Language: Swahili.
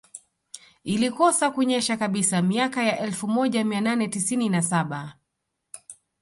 Ilikosa kunyesha kabisa miaka ya elfu moja mia nane tisini na saba